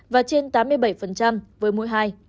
và trên tám mươi bảy với mỗi hai